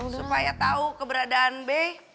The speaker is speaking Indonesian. supaya tau keberadaan b